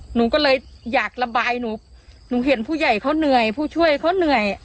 หนูก็เลยอยากระบายหนูหนูเห็นผู้ใหญ่เขาเหนื่อยผู้ช่วยเขาเหนื่อย